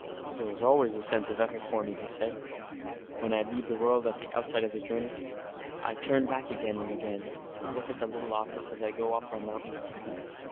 "There is always a sense of effort for me," he said, "when I leave the world at the outset of the journey. I turn back again and again, and look at the little office as I go up my mountain side.